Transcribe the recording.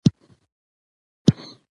نن دي بیا اوږدو نکلونو ته زړه کیږي